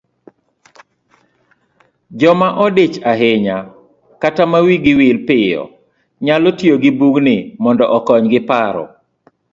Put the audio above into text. Joma odich ahinya kata ma wigi wil piyo, nyalo tiyo gibugni mondo okonygi paro